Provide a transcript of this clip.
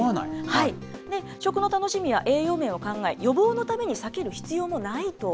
食の楽しみは栄養面を考え、予防のために避ける必要もないと。